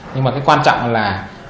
nhưng mà cái quan trọng là